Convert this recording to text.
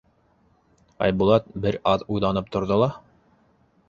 Айбулат бер аҙ уйланып торҙо ла: